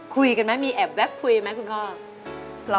คุยกันไหมมีแอบแวบคุยไหมคุณพ่อ